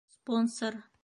Спонсор...